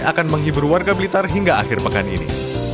akan menghibur warga blitar hingga akhir pekan ini